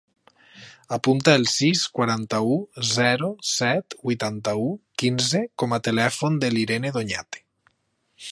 Apunta el sis, quaranta-u, zero, set, vuitanta-u, quinze com a telèfon de l'Irene Doñate.